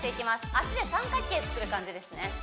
足で三角形作る感じですね